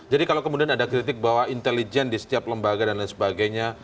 jadi kalau kemudian ada kritik bahwa intelijen di setiap lembaga dan lain sebagainya